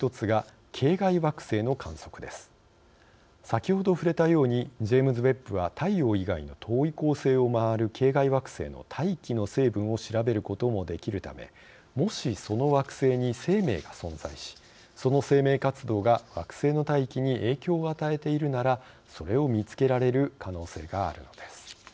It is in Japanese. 先ほど触れたようにジェームズ・ウェッブは太陽以外の遠い恒星を回る系外惑星の大気の成分を調べることもできるためもしその惑星に生命が存在しその生命活動が惑星の大気に影響を与えているならそれを見つけられる可能性があるのです。